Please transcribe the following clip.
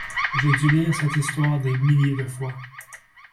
J'ai dû lire cette histoire des milliers de fois.